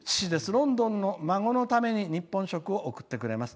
ロンドンの孫のために日本食を送ってくれます。